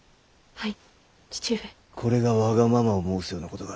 はい。